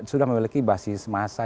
sudah memiliki basis masa